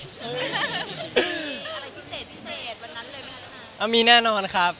มีอะไรพิเศษวันนั้นเลยไหมครับ